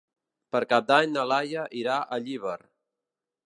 Per Cap d'Any na Laia irà a Llíber.